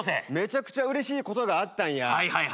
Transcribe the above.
めちゃくちゃうれしいことがあったんや。